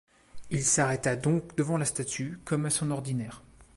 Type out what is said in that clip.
Il s’arrêta donc devant la statue comme à son ordinaire.